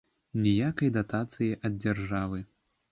Ніякай датацыі ад дзяржавы.